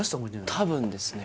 多分ですね